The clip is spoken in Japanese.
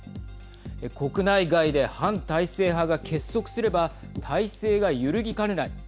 国内外で反体制派が結束すれば体制が揺るぎかねない。